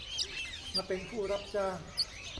มาเป็นผู้รับจ้าง